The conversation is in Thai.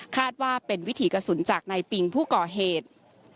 ว่าเป็นวิถีกระสุนจากนายปิงผู้ก่อเหตุ